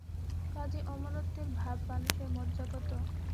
কাজেই অমরত্বের ভাব মানুষের মজ্জাগত।